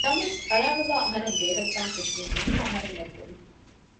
ނަމަވެސް އަޅަނުލައި އަހަރެން ބޭރަށްދާން ފެށުމުން މަންމަ އަހަރެންނަށް ގޮވި